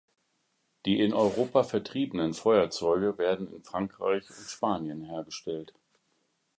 Die in Europa vertriebenen Feuerzeuge werden in Frankreich und Spanien hergestellt.